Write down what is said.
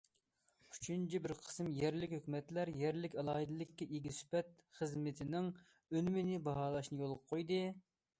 ئۈچىنچى، بىر قىسىم يەرلىك ھۆكۈمەتلەر يەرلىك ئالاھىدىلىككە ئىگە سۈپەت خىزمىتىنىڭ ئۈنۈمىنى باھالاشنى يولغا قويدى.